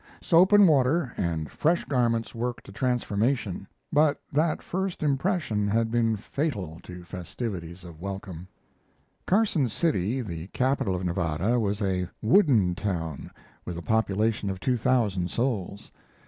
Soap and water and fresh garments worked a transformation; but that first impression had been fatal to festivities of welcome. Carson City, the capital of Nevada, was a "wooden town," with a population of two thousand souls.